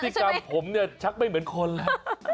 กรรมผมเนี่ยชักไม่เหมือนคนแล้ว